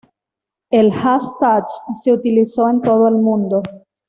El hashtag se utilizó en todo el mundo.